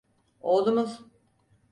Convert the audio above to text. Oğlumuz.